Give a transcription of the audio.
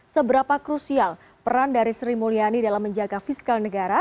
seberapa krusial peran dari sri mulyani dalam menjaga fiskal negara